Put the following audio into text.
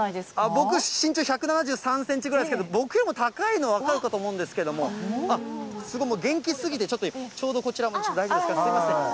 僕、身長１７３センチぐらいですけど、僕よりも高いの、分かるかと思うんですけれども、あっ、すごい、もう元気すぎて、ちょうどこちら、大丈夫ですか、すみません。